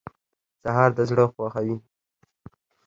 سهار د زړه خوښوي.